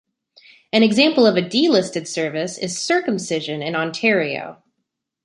An example of a delisted service is circumcision in Ontario.